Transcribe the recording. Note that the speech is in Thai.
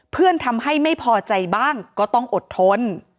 ทำให้ไม่พอใจบ้างก็ต้องอดทน